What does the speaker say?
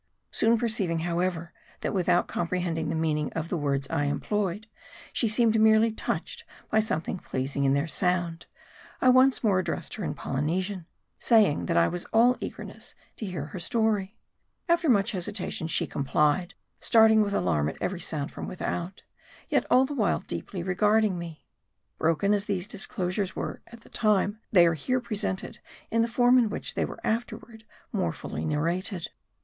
Soon perceiving, however, that with out comprehending the meaning of the words I employed, she seemed merely touched by something pleasing in their sound, I once more addressed her in Polynesian ; saying that I was all eagerness to hear her history. After much hesitation she complied ; starting with alarm at every sound from without ; yet all the while deeply re garding me. Broken as these disclosures were at the time, they are here presented in the form in which they were afterward more fully narrated.